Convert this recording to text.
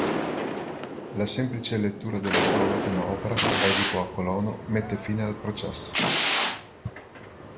La semplice lettura della sua ultima opera, "Edipo a Colono", mette fine al processo.